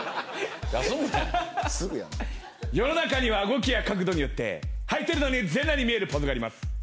世の中には動きや角度によってはいているのに全裸に見えるポーズがあります。